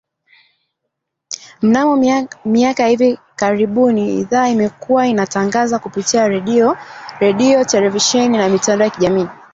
Mnamo miaka ya hivi karibuni idhaa imekua na inatangaza kupitia redio, televisheni na mitandao ya kijamii